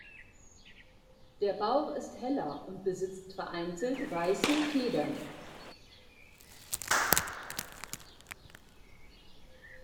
Der Bauch ist heller und besitzt vereinzelt weiße Federn.